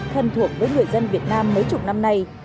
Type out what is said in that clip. thân thuộc với người dân việt nam mấy chục năm nay